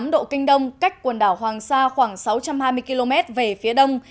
một trăm một mươi tám độ kinh đông cách quần đảo hoàng sa khoảng sáu trăm hai mươi km về phía đông